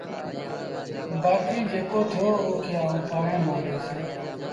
بآڪيٚݩ جيڪو ٿيو اُئي کي آئوݩ پآڻهي مݩهݩ ڏئيٚس